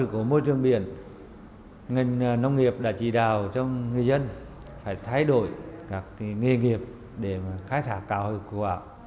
vì vậy ngành nông nghiệp đã chỉ đào cho người dân phải thay đổi các nghề nghiệp để khai thác cao hiệu quả